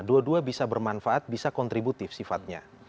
dua dua bisa bermanfaat bisa kontributif sifatnya